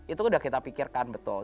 itu sudah kita pikirkan betul